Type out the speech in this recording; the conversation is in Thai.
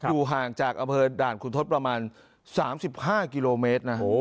อยู่ห่างจากอเบิดด่านขุนทศประมาณ๓๕กิโลเมตร